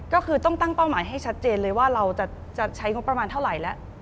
ก็คือต้องตั้งเป้าหมายให้ชัดเจนเลยว่าเราจะใช้งบประมาณเท่าไหร่แล้ว